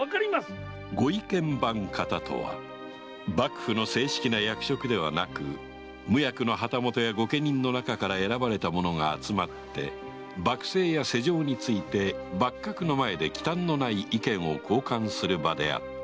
御意見番方とは幕府の正式な役職ではなく無役の旗本や御家人の中から選ばれた者が集まって幕政や世情について幕閣の前で忌憚のない意見を交換する場であった。